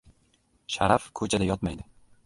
• Sharaf ko‘chada yotmaydi.